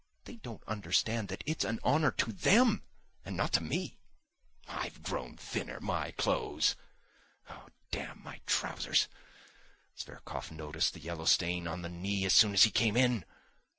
They don't understand that it's an honour to them and not to me! I've grown thinner! My clothes! Oh, damn my trousers! Zverkov noticed the yellow stain on the knee as soon as he came in....